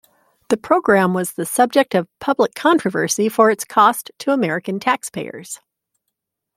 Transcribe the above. The program was the subject of public controversy for its cost to American taxpayers.